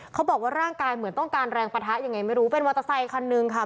เขาบอกว่าร่างกายเหมือนต้องการแรงปะทะยังไงไม่รู้เป็นมอเตอร์ไซคันนึงค่ะ